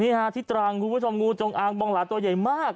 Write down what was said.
นี่ค่ะที่ตรางคุณผู้ชมคุณผู้ชมอ้างบองหลักตัวใหญ่มาก